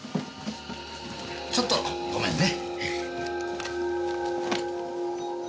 ちょっとごめんね。